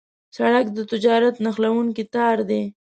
سړک د تجارت نښلونکی تار دی.